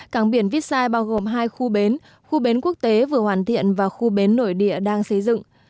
cảng biển visai bao gồm hai khu bến khu bến quốc tế vừa hoàn thiện và khu bến nổi địa đang xây dựng